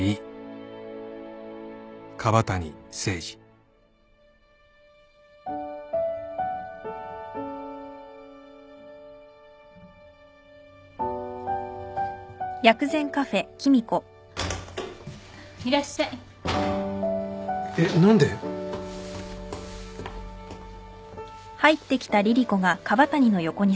えっ？